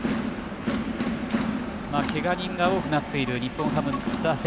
けが人が多くなっている日本ハム打線。